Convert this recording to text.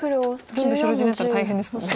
全部白地になったら大変ですもんね。